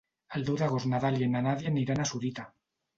El deu d'agost na Dàlia i na Nàdia aniran a Sorita.